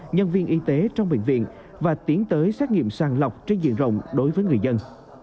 nhân viên y tế trong bệnh viện và tiến tới xét nghiệm sàng lọc trên diện rộng đối với người dân